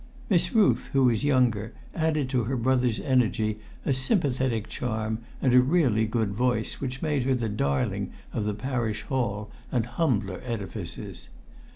Miss Ruth, who was younger, added to her brother's energy a sympathetic charm and a really good voice which made her the darling of the Parish Hall and humbler edifices.